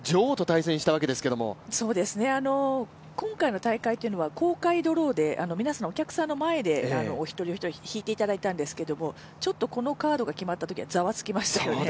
今回の大会は公開ドローで皆さん、お客さんの前でお一人お一人引いていただいたんですけどちょっとこのカードが決まったときは、ざわつきましたよね。